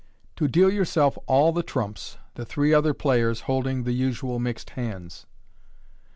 To deal your belf all the trumps, the three other players holding th1 usual mixed Hands.